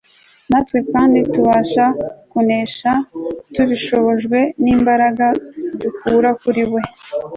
Natwe kandi tubasha kunesha tubishobojwe nimbaraga dukura kuri We